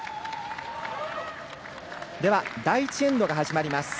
第１エンドが始まります。